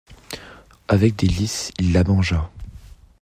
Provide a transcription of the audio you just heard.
Avec délices, il la mangea.